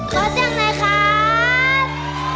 ขอจ้างหน่อยครับ